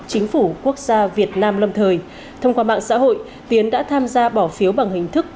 chính phủ quốc gia việt nam lâm thời thông qua mạng xã hội tiến đã tham gia bỏ phiếu bằng hình thức